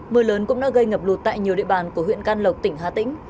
mưa lớn cũng đã gây ngập lụt tại nhiều địa bàn của huyện can lộc tỉnh hà tĩnh